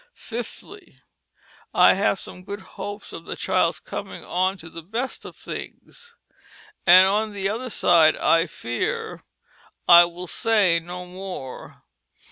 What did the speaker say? ffifthlie: I have some good hopes of the child's coming on to the best thinges. And on the other side I fear I will say no more.